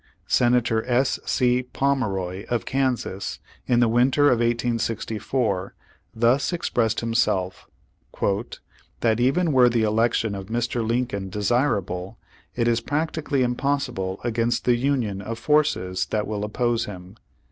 Senator S. C. Pomeroy, of Kansas, in the winter of 1864, thus expressed himself: 'That even were the election of Mr. Lincoln desirable, it is prac tically impossible against the union of forces that will oppose him."